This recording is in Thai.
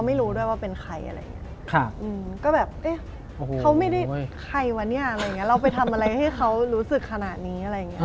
ใครวะเนี่ยเราไปทำอะไรให้เขารู้สึกขนาดนี้